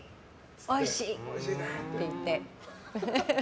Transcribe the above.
おいしい！って言って。